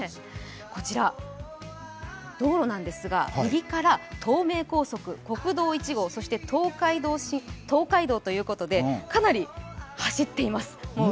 こちら道路なんですが、右から東名高速、国道１号、東海道ということでかなり走っています、もう。